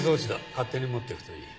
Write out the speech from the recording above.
勝手に持っていくといい。